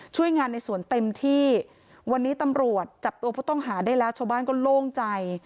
ช่วยงานในสวนเต็มที่วันนี้ตำรวจจับตัวผู้ต้องหาได้แล้วชาวบ้านก็โล่งใจ